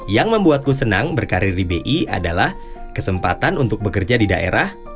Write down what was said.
yang membuatku senang berkarir di bi adalah kesempatan untuk bekerja di daerah